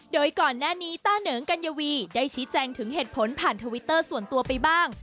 โดยก่อนหน้านี้ต้าเหนิงกัญญวีได้ชี้แจงถึงเหตุผลผ่านทวิตเตอร์ส่วนตัวไปบ้าง